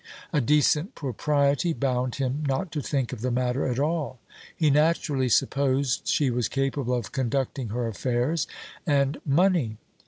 A decent propriety bound him not to think of the matter at all. He naturally supposed she was capable of conducting her affairs. And money!